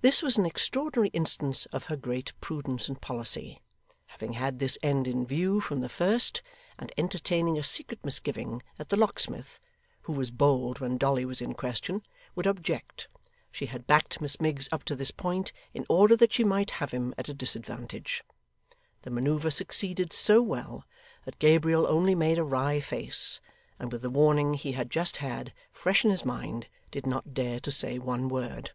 This was an extraordinary instance of her great prudence and policy; having had this end in view from the first, and entertaining a secret misgiving that the locksmith (who was bold when Dolly was in question) would object, she had backed Miss Miggs up to this point, in order that she might have him at a disadvantage. The manoeuvre succeeded so well that Gabriel only made a wry face, and with the warning he had just had, fresh in his mind, did not dare to say one word.